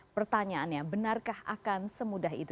pertanyaannya benarkah akan semudah itu